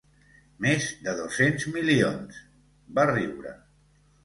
Més de dos-cents milions —va riure—.